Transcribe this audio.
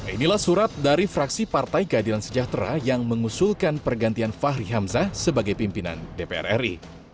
inilah surat dari fraksi partai keadilan sejahtera yang mengusulkan pergantian fahri hamzah sebagai pimpinan dpr ri